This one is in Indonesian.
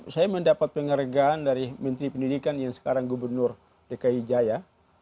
saya mendapat penghargaan dari menteri pendidikan yang sekarang gubernur dki jaya